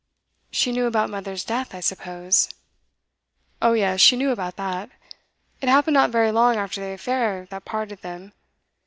'She knew about mother's death, I suppose?' 'Oh yes, she knew about that. It happened not very long after the affair that parted them.